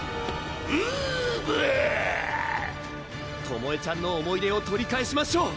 ともえちゃんの思い出を取り返しましょう！